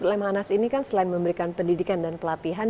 lemhanas ini kan selain memberikan pendidikan dan pelatihan